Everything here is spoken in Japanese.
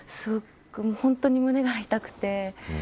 本当に胸が痛くて。